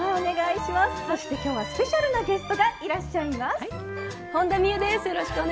そして、今日はスペシャルなゲストが本田望結です。